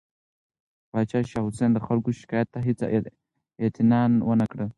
پاچا شاه حسین د خلکو شکایت ته هیڅ اعتنا ونه کړه.